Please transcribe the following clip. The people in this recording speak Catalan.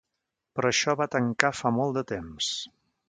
Però això va tancar fa molt de temps.